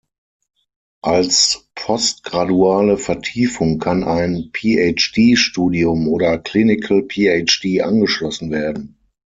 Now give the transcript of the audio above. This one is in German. Als postgraduale Vertiefung kann ein PhD-Studium oder Clinical PhD angeschlossen werden.